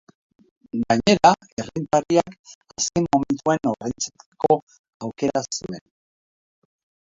Gainera, errentariak azken momentuan ordaintzeko aukera zuen.